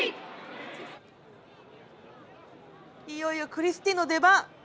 いよいよクリスティンの出番。